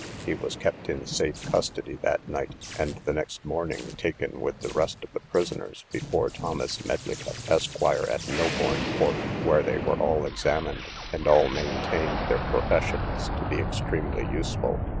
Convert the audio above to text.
He was kept in safe custody that night, and the next morning taken, with the rest of the prisoners, before Thomas Medlycott, Esq., at Milbourn Port, where they were all examined, and all maintained their professions to be extremely useful.